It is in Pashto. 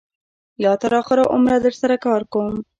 یا تر آخره عمره در سره کار کوم.